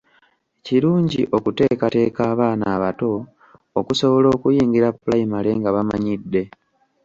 Kirungi okuteekateeka abaana abato okusobola okuyingira Pulayimale nga bamanyidde.